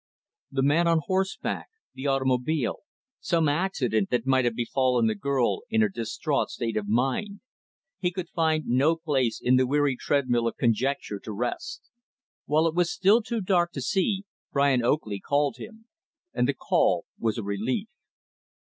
The man on horseback, the automobile, some accident that might have befallen the girl in her distraught state of mind he could find no place in the weary treadmill of conjecture to rest. While it was still too dark to see, Brian Oakley called him. And the call was a relief.